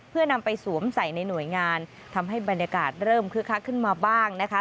เพื่อนำไปสวมใส่ในหน่วยงานทำให้บรรยากาศเริ่มคึกคักขึ้นมาบ้างนะคะ